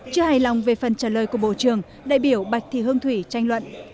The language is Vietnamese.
chưa hài lòng về phần trả lời của bộ trưởng đại biểu bạch thị hương thủy tranh luận